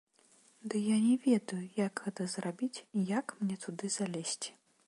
- Ды я не ведаю, як гэта зрабіць, як мне туды залезці